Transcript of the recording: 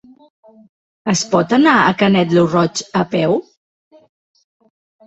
Es pot anar a Canet lo Roig a peu?